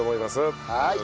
はい。